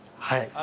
はい。